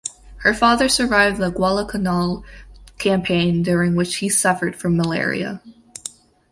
Her father survived the Guadalcanal campaign during which he suffered from malaria.